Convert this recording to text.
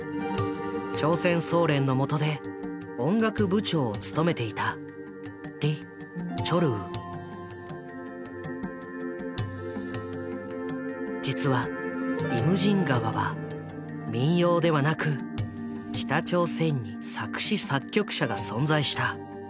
朝鮮総連のもとで音楽部長を務めていた実は「イムジン河」は民謡ではなく北朝鮮に作詞・作曲者が存在した。